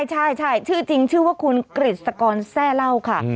ใช่ชื่อจริงชื่อว่าคุณกฤษกรแซ่เล่าค่ะ